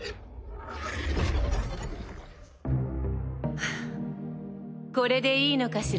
ハァこれでいいのかしら？